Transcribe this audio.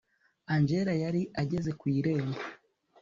angella yari ageze kwirembo